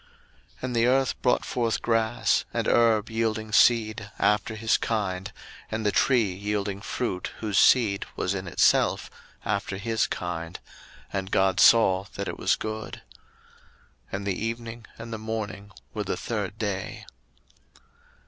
01:001:012 And the earth brought forth grass, and herb yielding seed after his kind, and the tree yielding fruit, whose seed was in itself, after his kind: and God saw that it was good. 01:001:013 And the evening and the morning were the third day.